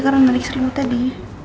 karena menarik seri lu tadi